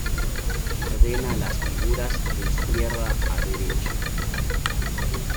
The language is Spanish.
Ordena las figuras de izquierda a derecha.